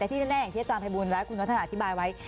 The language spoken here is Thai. แต่ที่แน่อย่างที่อาจารย์ภัยบูลและคุณวัฒนาอธิบายไว้